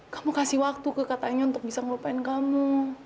kamu kasih waktu ke katanya untuk bisa melupain kamu